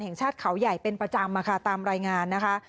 แห่งชาติเขาใหญ่เป็นประจำมาค่ะตามรายงานนะคะ